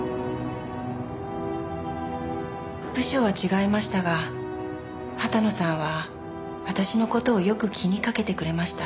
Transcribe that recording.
部署は違いましたが畑野さんは私の事をよく気にかけてくれました。